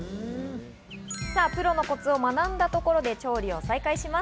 さぁ、プロのコツを学んだところで調理を再開します。